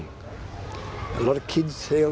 หลายคนซ่วนทราบ